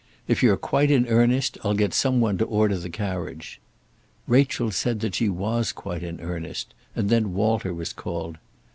If you're quite in earnest, I'll get some one to order the carriage." Rachel said that she was quite in earnest, and then Walter was called.